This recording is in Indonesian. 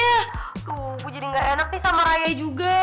tuh gue jadi gak enak sama rai juga